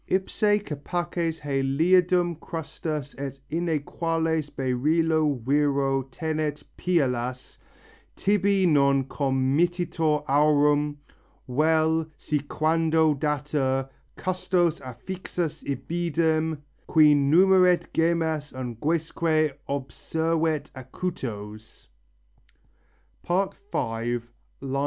Ipse capaces Heliadum crustas et inæquales beryllo Virro tenet phialas: tibi non committitur aurum; Vel, si quando datur, custos affixus ibidem, Qui numeret gemmas unguesque observet acutos (V. 38).